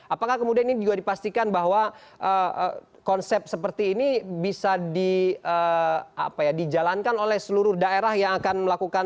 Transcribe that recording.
apakah kemudian ini juga dipastikan bahwa konsep seperti ini bisa dijalankan oleh seluruh daerah yang akan melakukan